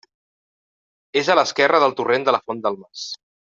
És a l'esquerra del torrent de la Font del Mas.